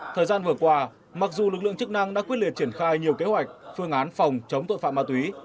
thời gian vừa qua mặc dù lực lượng chức năng đã quyết liệt triển khai nhiều kế hoạch phương án phòng chống tội phạm ma túy